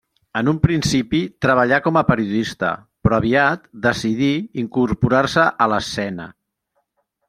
En un principi treballà com a periodista, però aviat decidí incorporar-se a l'escena.